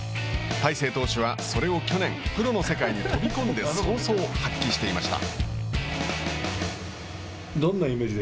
大勢投手はそれを去年プロの世界に飛び込んで早々発揮していました。